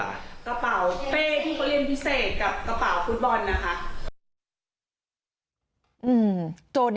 กระเป๋าเป้ที่เขาเรียนพิเศษกับกระเป๋าฟุตบอลนะคะ